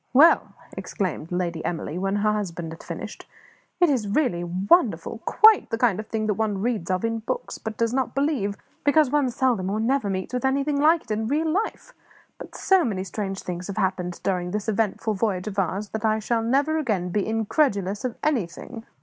"Well," exclaimed Lady Emily, when her husband had finished, "it is really wonderful! quite the kind of thing that one reads of in books but does not believe, because one seldom or never meets with anything like it in real life. But so many strange things have happened during this eventful voyage of ours, that I shall never again be incredulous of anything."